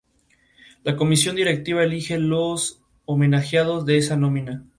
La comisión directiva elige los homenajeados de esa nómina.